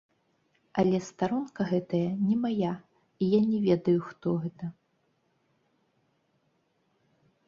Але старонка гэтая не мая, і я не ведаю, хто гэта.